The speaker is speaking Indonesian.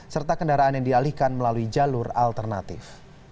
serta kendaraan yang dialihkan melalui jalur alternatif